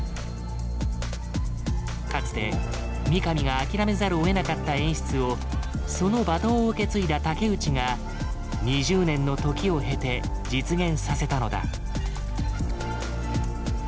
かつて三上が諦めざるをえなかった演出をそのバトンを受け継いだ竹内が２０年の時を経て実現させたのだ。